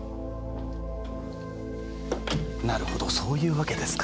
なるほどそういうわけですか。